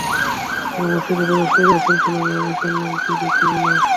তারা মসজিদে প্রবেশ করেই রাসূলুল্লাহ সাল্লাল্লাহু আলাইহি ওয়াসাল্লামকে দেখতে পেল।